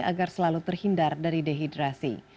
agar selalu terhindar dari dehidrasi